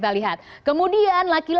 jadi berarti perempuan dewasa lebih tinggi